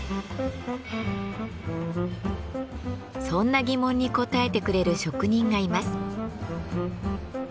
そんな疑問に答えてくれる職人がいます。